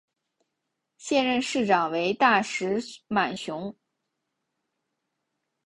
现任市长为大石满雄。